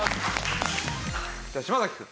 じゃあ島崎くん。